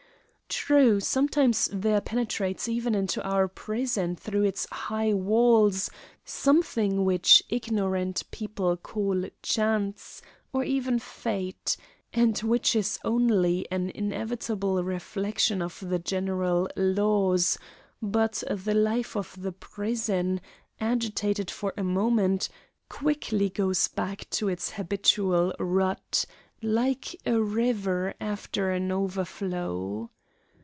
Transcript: True, sometimes there penetrates even into our prison, through its high walls, something which ignorant people call chance, or even Fate, and which is only an inevitable reflection of the general laws; but the life of the prison, agitated for a moment, quickly goes back to its habitual rut, like a river after an overflow.